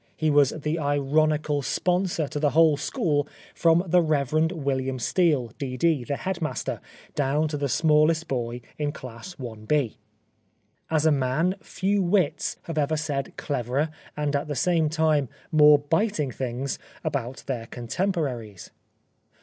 He was the ironical sponsor to the whole school from the Rev. Wilham Steele, D.D., the headmaster, down to the smallest boy in class ib. As a man, few wits have ever said cleverer and at the same time more biting things about their con temporaries.